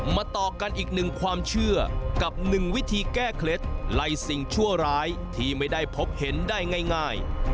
ต่อกันอีกหนึ่งความเชื่อกับหนึ่งวิธีแก้เคล็ดไล่สิ่งชั่วร้ายที่ไม่ได้พบเห็นได้ง่าย